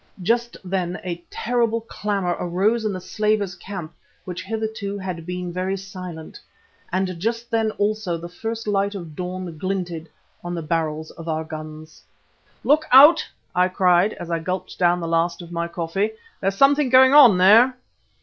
Just then a terrible clamour arose in the slavers' camp which hitherto had been very silent, and just then also the first light of dawn glinted on the barrels of our guns. "Look out!" I cried, as I gulped down the last of my coffee, "there's something going on there."